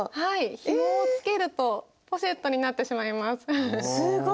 ひもをつけるとポシェットになってしまいます。